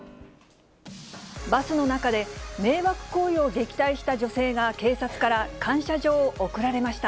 バスの中で迷惑行為を撃退した女性が警察から感謝状を贈られました。